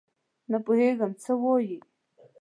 نه پوهېږم څه وایې ؟؟